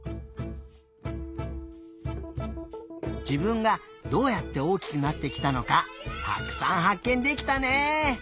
自分がどうやって大きくなってきたのかたくさんはっけんできたね！